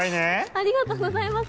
ありがとうございます。